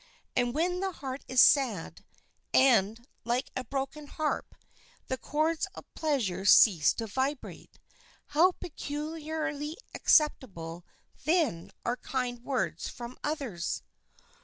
And when the heart is sad, and, like a broken harp, the chords of pleasure cease to vibrate, how peculiarly acceptable then are kind words from others!